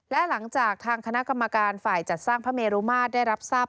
และหลังจากทางคณะกรรมการฝ่ายจัดสร้างพระเมรุมาตรได้รับทราบ